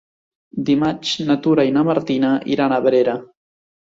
Dimarts na Tura i na Martina iran a Abrera.